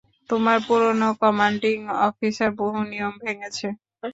তোমার পুরানো commanding officer বহু নিয়ম ভেঙেছে।